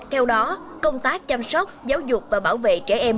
theo đó công tác chăm sóc giáo dục và bảo vệ trẻ em